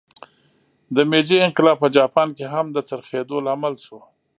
د میجي انقلاب په جاپان کې هم د څرخېدو لامل شو.